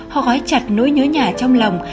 họ gói chặt nỗi nhớ nhà trong lòng